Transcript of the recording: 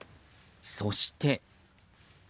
そして。